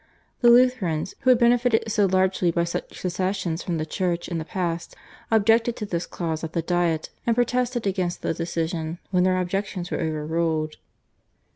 The Lutherans, who had benefited so largely by such secessions from the Church in the past, objected to this clause at the Diet, and protested against the decision when their objections were overruled.